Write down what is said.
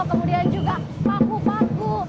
kemudian juga paku paku